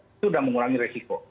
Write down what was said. itu sudah mengurangi resiko